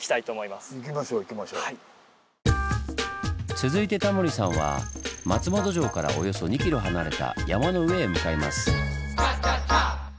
続いてタモリさんは松本城からおよそ２キロ離れた山の上へ向かいます。